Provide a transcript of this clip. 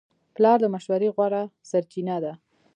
پلار د مشورې غوره سرچینه ده.